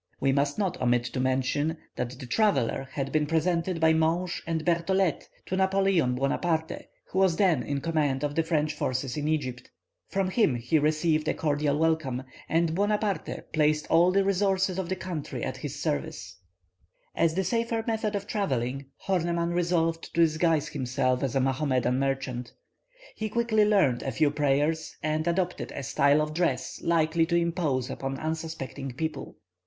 We must not omit to mention that the traveller had been presented by Monge and Berthollet to Napoleon Buonaparte, who was then in command of the French forces in Egypt. From him he received a cordial welcome, and Buonaparte placed all the resources of the country at his service. [Illustration: "He received a cordial welcome."] As the safer method of travelling, Horneman resolved to disguise himself as a Mohammedan merchant. He quickly learned a few prayers, and adopted a style of dress likely to impose upon unsuspecting people.